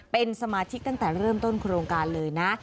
เป็นสมาชิกตั้งแต่เริ่มต้นโครงการเลยนะ